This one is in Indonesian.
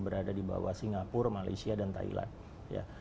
berada di bawah singapura malaysia dan thailand ya